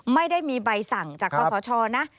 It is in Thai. ไม่ได้มีใบสั่งจากคอสชนะ